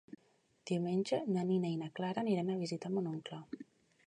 Diumenge na Nina i na Clara aniran a visitar mon oncle.